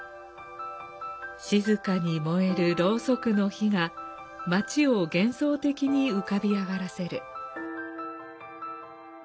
静かに燃えるろうそくの灯が街を幻想的に浮かび上がらせる。